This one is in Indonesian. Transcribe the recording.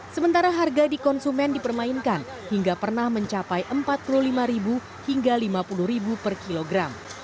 sementara harga di konsumen dipermainkan hingga pernah mencapai rp empat puluh lima hingga rp lima puluh per kilogram